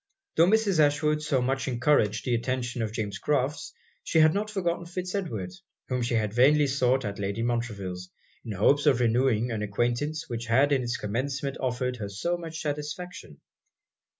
Tho' Mrs. Ashwood so much encouraged the attention of James Crofts, she had not forgotten Fitz Edward, whom she had vainly sought at Lady Montreville's, in hopes of renewing an acquaintance which had in it's commencement offered her so much satisfaction.